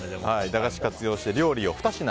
駄菓子を活用して料理を２品